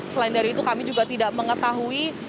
selain dari itu kami juga tidak mengetahui